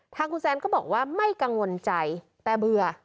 ทางคุณแซนก็บอกว่าไม่กังวลใจแต่เบื่อ